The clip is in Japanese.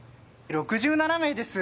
６７名です。